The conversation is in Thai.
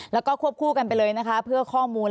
แล้วก็ควบคู่กันไปเลยนะคะเพื่อข้อมูล